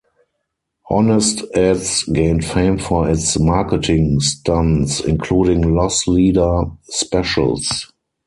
Honest Ed's gained fame for its marketing stunts, including loss leader specials.